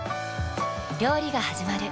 料理がはじまる。